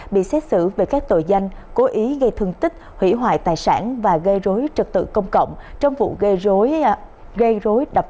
bị xét xử về các tội danh cố ý gây thương tích hủy hoại tài sản và gây rối trật tự công cộng trong vụ gây rối